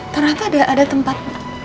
ternyata ada tempat